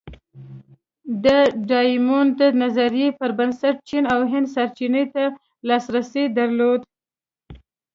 د ډایمونډ نظریې پر بنسټ چین او هند سرچینو ته لاسرسی درلود.